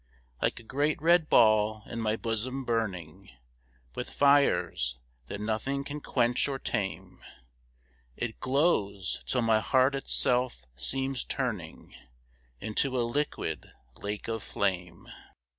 Like a great red ball in my bosom burning With fires that nothing can quench or tame. It glows till my heart itself seems turning Into a liquid lake of flame.